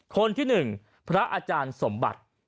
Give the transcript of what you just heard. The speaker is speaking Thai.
คนที่๑พระอาจารย์สมบัติ